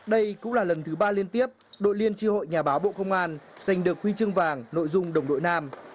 đây cũng là lần thứ ba liên tiếp đội liên tri hội nhà báo bộ công an giành được huy chương vàng nội dung đồng đội nam